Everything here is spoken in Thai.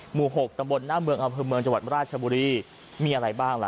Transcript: หกตำบลหน้าเมืองอำเภอเมืองจังหวัดราชบุรีมีอะไรบ้างล่ะ